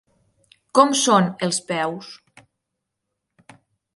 Com són els peus?